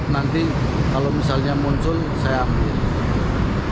nanti kalau misalnya muncul saya ambil